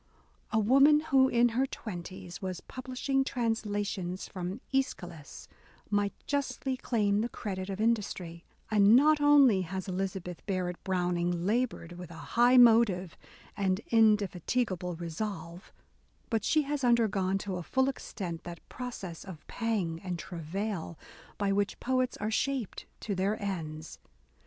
A woman who in her twenties was publishing translations from ^schylus, might justly claim the credit of industry ; and not only has Eliza beth Barrett Browning laboured with a high motive and indefatigable resolve, — but she has undergone, to a full extent, that process of pang and travail, by which poets are shaped to their ends.